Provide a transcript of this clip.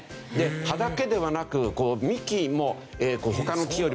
葉だけではなく幹も他の木よりも水分が多い。